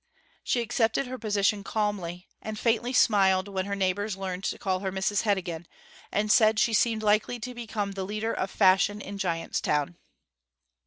She accepted her position calmly, and faintly smiled when her neighbours learned to call her Mrs Heddegan, and said she seemed likely to become the leader of fashion in Giant's Town.